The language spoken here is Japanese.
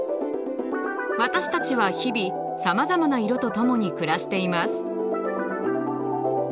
私たちは日々さまざまな色とともに暮らしています。